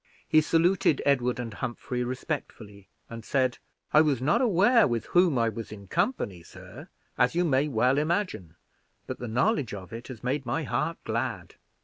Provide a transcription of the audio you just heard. He saluted Edward and Humphrey respectfully, and said, "I was not aware with whom I was in company, sir, as you may well imagine; but the knowledge of it has made my heart glad."